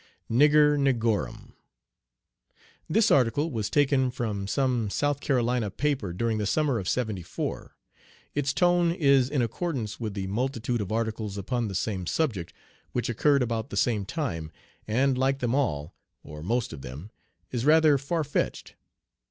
"NIGER NIGRORUM." This article was taken from some South Carolina paper during the summer of '74. Its tone is in accordance with the multitude of articles upon the same subject which occurred about the same time, and, like them all, or most of them, is rather farfetched.